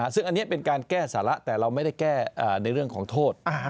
ซึ่งอันนี้เป็นการแก้สาระแต่เราไม่ได้แก้ในเรื่องของโทษ